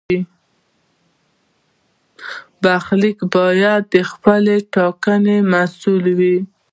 برخلیک باید د خپلې ټاکنې محصول وي.